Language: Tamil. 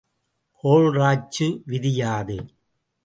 கோல்ராச்சு விதி யாது?